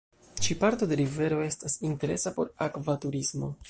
Ĉi parto de rivero estas interesa por akva turismo.